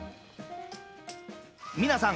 皆さん